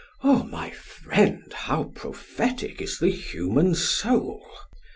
O my friend, how prophetic is the human soul!